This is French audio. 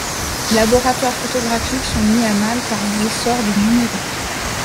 Les laboratoires photographiques sont mis à mal par l'essor du numérique.